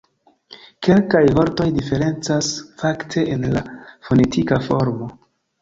Kelkaj vortoj diferencas fakte en la fonetika formo.